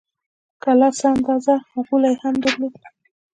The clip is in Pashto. کلا څه اندازه غولی هم درلود.